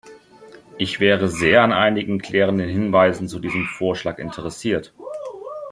Ich wäre sehr an einigen klärenden Hinweisen zu diesem Vorschlag interessiert.